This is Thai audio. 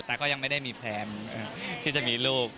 แต่ก็ยังไม่ได้มีแพลนที่จะมีลูก